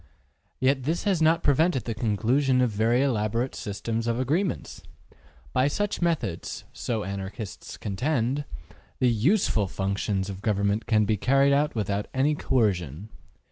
Yet this has not prevented the conclusion of very elaborate systems of agreements. By such methods, so Anarchists contend, the USEFUL functions of government can be carried out without any coercion.